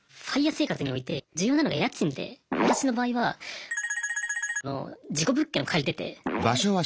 ＦＩＲＥ生活において重要なのが家賃で私の場合はの事故物件を借りてて。